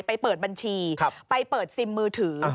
เปิดบัญชีไปเปิดซิมมือถือ